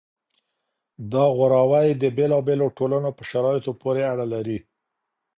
دا غوراوی د بیلا بیلو ټولنو په شرایطو پوري اړه لري.